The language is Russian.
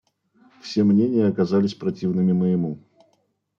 Все мнения оказались противными моему.